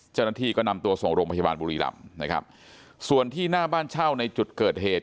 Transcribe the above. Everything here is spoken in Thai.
เจ้าหน้าที่ก็นำตัวส่งโรงพยาบาลบุรีรำนะครับส่วนที่หน้าบ้านเช่าในจุดเกิดเหตุ